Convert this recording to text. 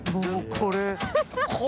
これ。